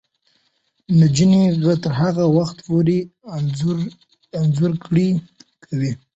نجونې به تر هغه وخته پورې انځورګري کوي.